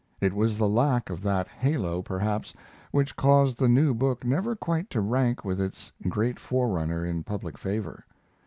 It was the lack of that halo perhaps which caused the new book never quite to rank with its great forerunner in public favor.